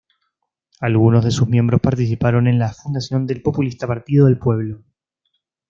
Algunos de sus miembros participaron en la fundación del populista Partido del Pueblo.